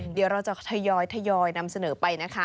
เดี๋ยวเราจะทยอยนำเสนอไปนะคะ